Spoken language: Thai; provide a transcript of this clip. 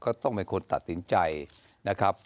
ก็ต้องเป็นคนตัดสินใจนะครับ